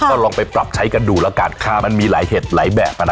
ก็ลองไปปรับใช้กันดูแล้วกันมันมีหลายเห็ดหลายแบบอ่ะนะ